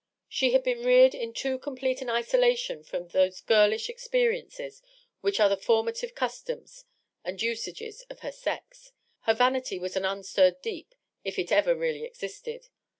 She had been reared in too complete an isolation from those girlish experiences which are the for mative customs and usages of her sex. Her vanity was an unstirred deep, if it ever really existed.